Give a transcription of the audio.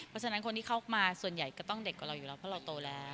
เพราะฉะนั้นคนที่เข้ามาส่วนใหญ่ก็ต้องเด็กกว่าเราอยู่แล้วเพราะเราโตแล้ว